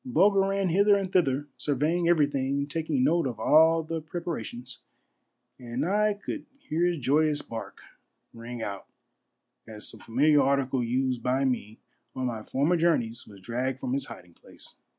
Bulger ran hither and thither, surveying everything, taking note of all the preparations, and I could hear his joyous bark ring out as some familiar article used by me on my former journeys was dragged from its hiding place.